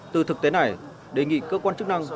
từ thực tế này đề nghị cơ quan chức năng